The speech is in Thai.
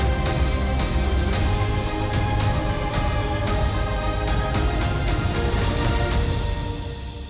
ท่านผู้ชมดูข่าวแล้วมีความสุขที่สุดครับ